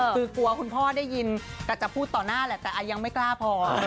คือกลัวคุณพ่อได้ยินแต่จะพูดต่อหน้าแหละแต่ยังไม่กล้าพอ